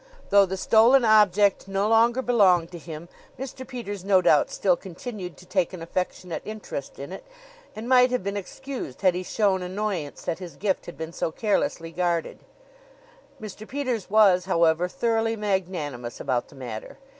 Though the stolen object no longer belonged to him, Mr. Peters no doubt still continued to take an affectionate interest in it and might have been excused had he shown annoyance that his gift had been so carelessly guarded. Mr. Peters was, however, thoroughly magnanimous about the matter.